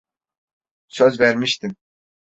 Söz vermiştim.